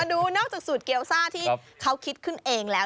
ดูนอกจากสูตรเกียวซ่าที่เขาคิดขึ้นเองแล้ว